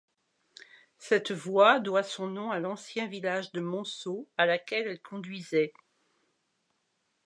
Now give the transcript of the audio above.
Cette voie doit son nom à l'ancien village de Monceau à laquelle elle conduisait.